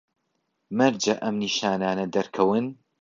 مەرجە ئەم نیشانانە دەرکەون